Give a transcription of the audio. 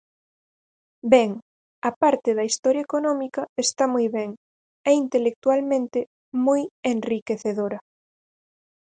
Ben, a parte da historia económica está moi ben, é intelectualmente moi enriquecedora.